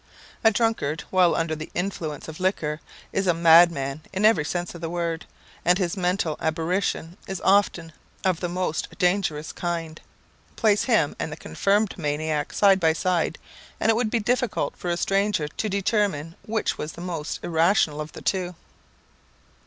A drunkard, while under the influence of liquor, is a madman in every sense of the word, and his mental aberration is often of the most dangerous kind. Place him and the confirmed maniac side by side, and it would be difficult for a stranger to determine which was the most irrational of the two.